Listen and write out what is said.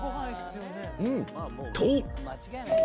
うん！と！